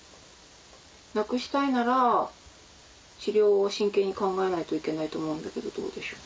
なくしたいなら治療を真剣に考えないといけないと思うけれどどうでしょう。